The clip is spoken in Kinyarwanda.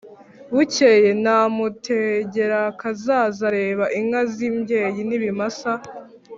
bukeye namutegerakazaza areba inka z imbyeyi n ibimasa